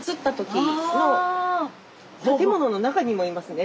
建物の中にもいますね。